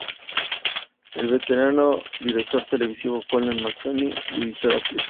El veterano director televisivo Colm McCarthy dirigió la película.